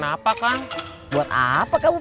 saya menunggu dikamuran yang pun dari kepga